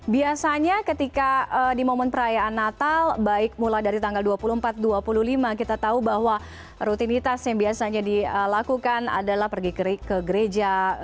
biasanya ketika di momen perayaan natal baik mulai dari tanggal dua puluh empat dua puluh lima kita tahu bahwa rutinitas yang biasanya dilakukan adalah pergi ke gereja